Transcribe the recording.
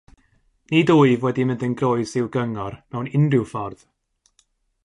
Nid wyf wedi mynd yn groes i'w gyngor mewn unrhyw ffordd.